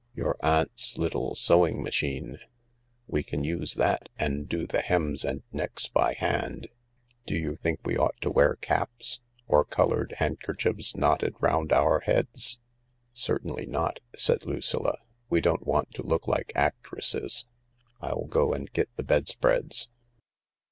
Your aunt's little sewing machine. We can use that and do the hems and necks by hand. Do you think we ought to wear caps ? Or coloured handkerchiefs knotted round our heads ?" 78 THE LARK "Certainly not," said Lucilla; "we don't want to look like actresses. I'll go and get the bedspreads."